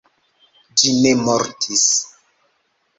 Ĝi ne mortis.